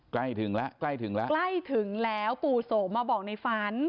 ใกล้ถึงแล้วใกล้ถึงแล้วใกล้ถึงแล้วปู่โสมาบอกในฝัน